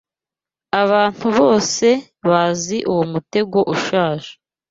Abantu bose bazi uwo mutego ushaje.